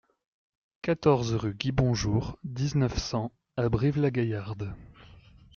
quatorze rue Guy Bonjour, dix-neuf, cent à Brive-la-Gaillarde